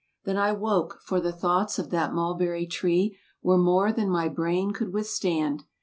Then I woke, for the thoughts of that mulberry tree Were more than my brain could withstand